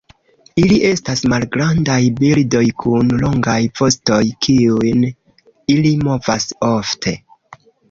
Ili estas malgrandaj birdoj kun longaj vostoj kiujn ili movas ofte.